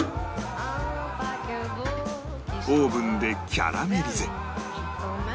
オーブンでキャラメリゼ